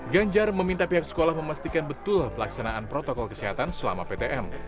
ganjar meminta pihak sekolah memastikan betul pelaksanaan protokol kesehatan selama ptm